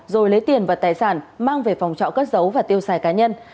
rồi lấy tiền và tài sản mang về phòng trọng cất dấu và tiêu xài cá nhân